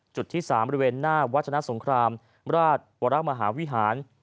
จุดที่๓บริเวณหน้าวัชนะสงครามราชวรมหาวิหาร